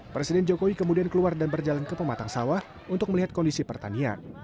presiden jokowi kemudian keluar dan berjalan ke pematang sawah untuk melihat kondisi pertanian